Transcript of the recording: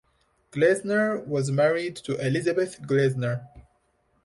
Gleisner was married to Elisabeth Gleisner.